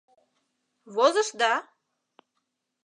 Возышда?